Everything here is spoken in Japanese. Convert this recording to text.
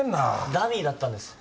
ダミーだったんです。